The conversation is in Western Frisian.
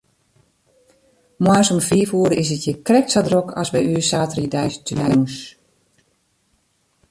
Moarns om fiif oere is it hjir krekt sa drok as by ús saterdeitejûns.